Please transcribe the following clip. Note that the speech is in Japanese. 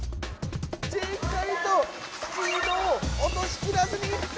しっかりとスピードを落としきらずに行った！